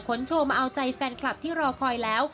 โชว์มาเอาใจแฟนคลับที่รอคอยแล้ว